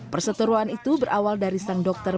perseteruan itu berawal dari sang dokter